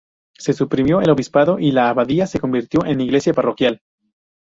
Se suprimió el obispado y la abadía se convirtió en iglesia parroquial.